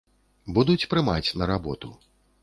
Будуць прымаць на работу.